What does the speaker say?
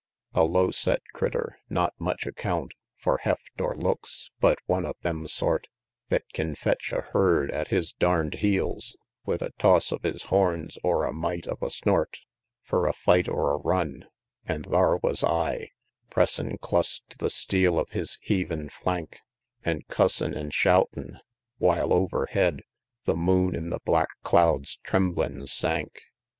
XXXII. A low set critter, not much account For heft or looks, but one of them sort Thet kin fetch a herd at his darn'd heels With a toss of his horns or a mite of a snort, Fur a fight or a run; an' thar wus I, Pressin' clus to the steel of his heavin' flank, An' cussin' an' shoutin' while overhead The moon in the black clouds tremblin' sank, XXXIII.